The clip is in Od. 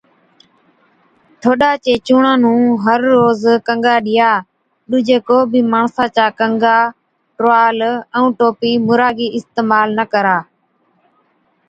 ٺوڏا چي چُونڻان نُُون هر روز گنگا ڏِيا، ڏُوجي ڪو بِي ماڻسا چا ڪنگا، ٽروال ائُون ٽوپِي مُراگِي اِستعمال نہ ڪرا۔